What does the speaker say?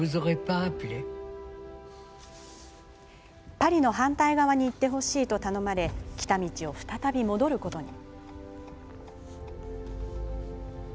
パリの反対側に行ってほしいと頼まれ来た道を再び戻ることに。